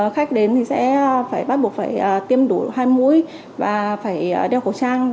khách đến thì sẽ phải bắt buộc phải tiêm đủ hai mũi và phải đeo khẩu trang